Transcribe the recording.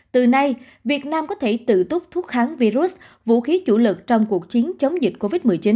từ nay việt nam có thể tự túc thuốc kháng virus vũ khí chủ lực trong cuộc chiến chống dịch covid một mươi chín